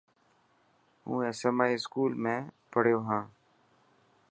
هون SMI اسڪول ۾ پهڙيو هان.